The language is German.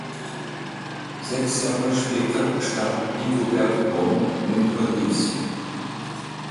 Sechs Jahre später starb Rigobert Bonne in Paris.